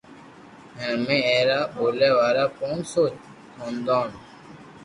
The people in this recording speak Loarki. ھين امي اي را ٻوليا وارا پونچ سو خوندون